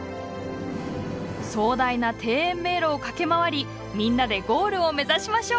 壮大な庭園迷路を駆け回りみんなでゴールを目指しましょう。